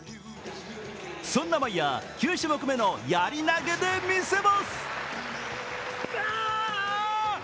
そんなマイヤー、９種目目のやり投げで見せます。